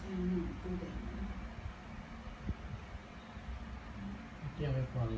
อันนี้ก็ไม่มีเจ้าพ่อหรอก